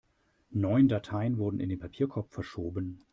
Neun Dateien wurden in den Papierkorb verschoben.